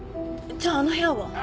じゃああの部屋は？